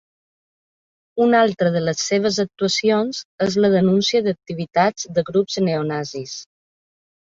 Una altra de les seves actuacions és la denúncia d'activitats de grups neonazis.